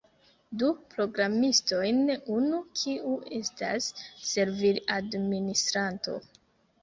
Du programistojn unu, kiu estas servil-administranto